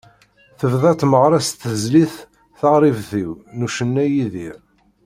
Tebda tmeɣra s tezlit “Taɣribt-iw” n ucennay Idir.